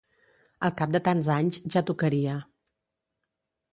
Al cap de tants anys, ja tocaria.